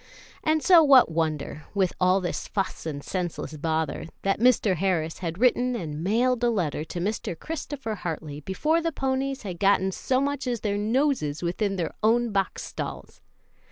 And so what wonder, with all this fuss and senseless bother, that Mr. Harris had written and mailed a letter to Mr. Christopher Hartley before the ponies had gotten so much as their noses within their own box stalls!